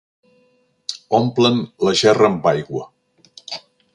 Omplen la gerra amb aigua.